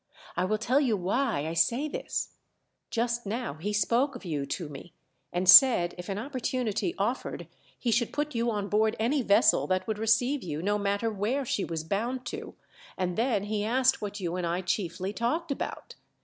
I will tell you why I say this : just now he spoke of you to me, and said if an oppor tunity offered he should put you on board any vessel that would receive you, no matter where she was bound to, and then he asked what you and I chiefly talked about.